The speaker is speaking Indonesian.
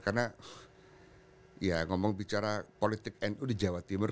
karena ya ngomong bicara politik nu di jawa timur